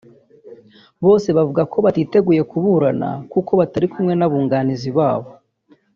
bose bavuga ko batiteguye kuburana kuko batari kumwe n’abunganizi babo